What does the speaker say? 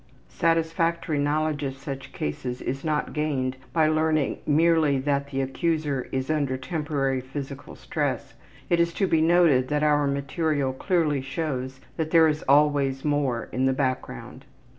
Satisfactory knowledge of such cases is not gained by learning merely that the accuser is under temporary physical stress it is to be noted that our material clearly shows that there is always more in the background.